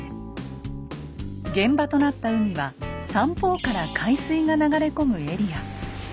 現場となった海は三方から海水が流れ込むエリア。